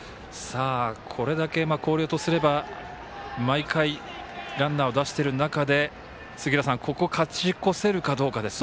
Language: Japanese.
これだけ、広陵とすれば毎回、ランナーを出している中で杉浦さんここ勝ち越せるかどうかですね。